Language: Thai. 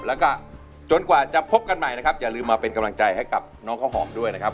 แล้วก็จนกว่าจะพบกันใหม่นะครับอย่าลืมมาเป็นกำลังใจให้กับน้องข้าวหอมด้วยนะครับ